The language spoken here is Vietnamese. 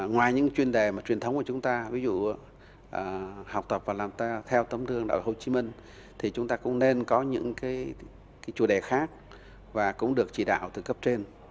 ngoài những chuyên đề mà truyền thống của chúng ta ví dụ học tập và làm theo tấm gương đạo hồ chí minh thì chúng ta cũng nên có những chủ đề khác và cũng được chỉ đạo từ cấp trên